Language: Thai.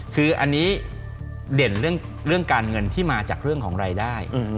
คืออันนี้เด่นเรื่องการเงินที่มาจากเรื่องของรายได้